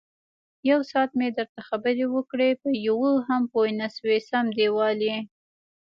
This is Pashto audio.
یوساعت مې درته خبرې وکړې، په یوه هم پوی نشوې سم دېوال یې.